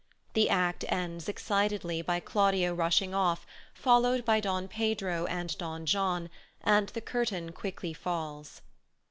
The act ends excitedly by Claudio rushing off, followed by Don Pedro and Don John, and the curtain quickly falls.